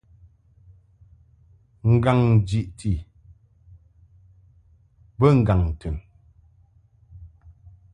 Ngaŋ jiʼti bə ŋgaŋ tɨn.